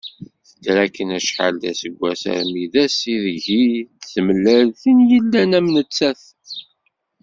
Tedder akken acḥal d aseggas armi d ass i deg-i d-temlal tin yellan am nettat.